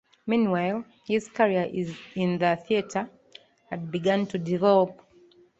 Meanwhile, his career in the theatre had begun to develop.